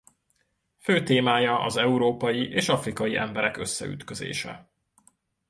Fő témája az európai és afrikai emberek összeütközése.